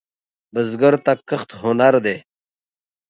بزګر ته کښت هنر دی